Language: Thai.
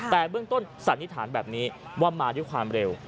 แต่เบื้องต้นสันนิษฐานแบบนี้ว่ามาด้วยความเร็ว